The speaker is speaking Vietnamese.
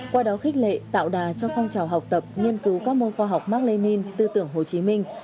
qua đó khích lệ tạo đà cho phong trào học tập nghiên cứu các môn khoa học mark lenin tư tưởng hồ chí minh